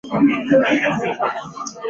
隋朝开皇三年废。